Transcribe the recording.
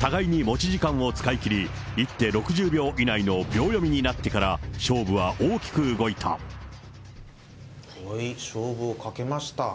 互いに持ち時間を使い切り、１手６０秒以内の秒読みになってから、勝負をかけました。